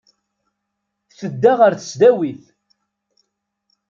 Tedda ɣer tesdawit.